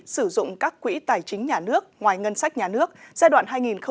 sử dụng các quỹ tài chính nhà nước ngoài ngân sách nhà nước giai đoạn hai nghìn một mươi ba hai nghìn một mươi tám